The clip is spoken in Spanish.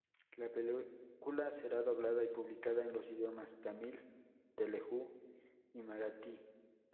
La película será doblada y publicada en los idiomas Tamil, Telugu, y Marathi.